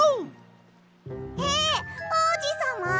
えおうじさま？